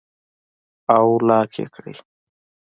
او لاک ئې کړي